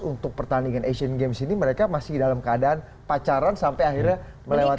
untuk pertandingan asian games ini mereka masih dalam keadaan pacaran sampai akhirnya melewati